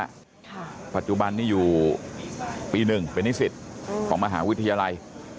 ค่ะปัจจุบันนี้อยู่ปีหนึ่งเป็นนิสิตของมหาวิทยาลัย